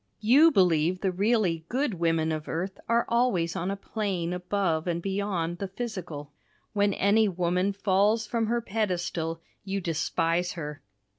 You believe the really good women of earth are always on a plane above and beyond the physical. When any woman falls from her pedestal you despise her.